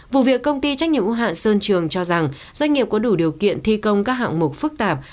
vụ việc công ty trách nhiệm ưu hạn sơn trường cho rằng doanh nghiệp có đủ điều kiện thi công các hạng mục phức tạp